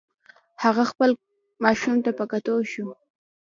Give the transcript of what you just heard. هغه خپل ماشوم ته په کتو شو.